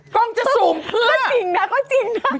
ก็ต้องจะซูมเพื่อก็จริงนะ